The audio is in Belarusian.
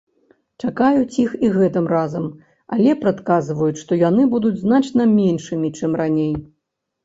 Чакаюць іх і гэтым разам, але прадказваюць, што яны будуць значна меншымі, чым раней.